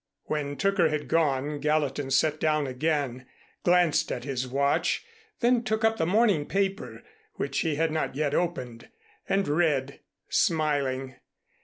When Tooker had gone, Gallatin sat down again, glanced at his watch, then took up the morning paper, which he had not yet opened, and read, smiling.